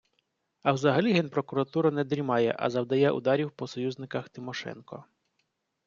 А взагалі Генпрокуратура не дрімає, а завдає ударів по союзниках Тимошенко.